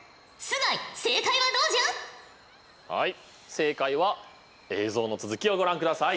正解は映像の続きをご覧ください。